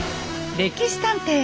「歴史探偵」